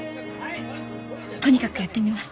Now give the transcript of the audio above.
とにかくやってみます。